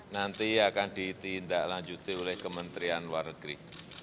nanti akan ditindaklanjuti oleh kementerian luar negeri